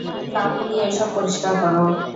কাউকে দিয়ে এসব পরিষ্কার কর।